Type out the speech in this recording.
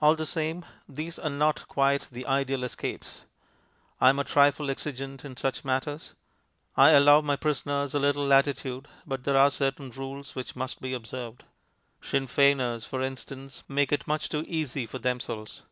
All the same, these are not quite the ideal escapes. I am a trifle exigent in such matters. I allow my prisoners a little latitude, but there are certain rules which must be observed. Sinn Feiners, for instance, make it much too easy for themselves.